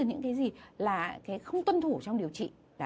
những cái gì là cái không tuân thủ trong điều trị